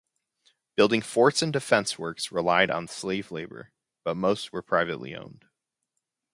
Building forts and defense works relied on slave labor, but most were privately owned.